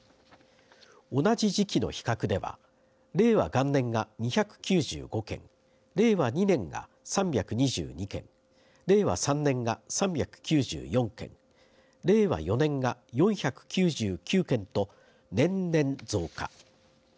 同じ時期の比較では令和元年が２９５件令和２年が３２２件令和３年が３９４件令和４年が４９９件と年々、増加。